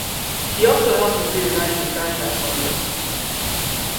He also helped in re-designing the franchise logo.